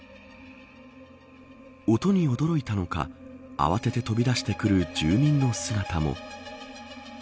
音に驚いたのか慌てて飛び出してくる住民の姿も。